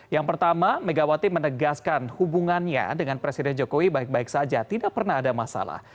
yang pertama megawati menegaskan hubungannya dengan presiden jokowi baik baik saja tidak pernah ada masalah